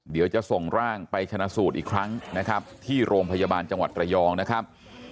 เดี๋ยวจะส่งร่างไปชนะสูตรอีกครั้งนะครับที่โรงพยาบาลจังหวัดระยองนะครับ